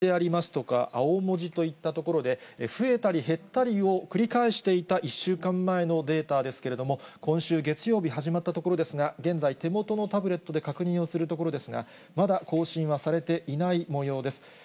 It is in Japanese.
赤文字でありますとか、青文字といったところで、増えたり減ったりを繰り返していた１週間前のデータですけれども、今週月曜日、始まったところですが、現在、手元のタブレットで確認をするところですが、まだ更新はされていないもようです。